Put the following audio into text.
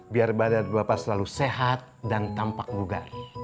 biar badan bapak selalu sehat dan tampak bugar